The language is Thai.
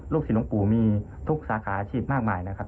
ศิลหลวงปู่มีทุกสาขาอาชีพมากมายนะครับ